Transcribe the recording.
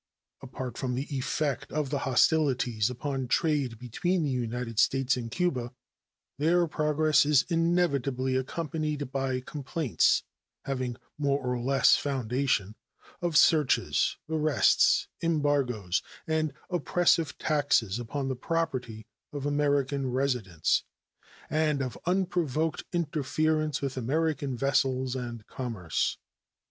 Apart from the effect of the hostilities upon trade between the United States and Cuba, their progress is inevitably accompanied by complaints, having more or less foundation, of searches, arrests, embargoes, and oppressive taxes upon the property of American residents, and of unprovoked interference with American vessels and commerce.